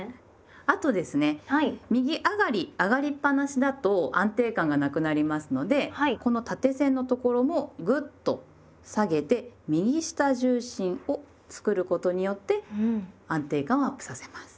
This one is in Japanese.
あとですね右上がり上がりっぱなしだと安定感がなくなりますのでこの縦線のところをぐっと下げて右下重心を作ることによって安定感をアップさせます。